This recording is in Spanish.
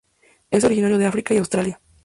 Es originario de África y Australia.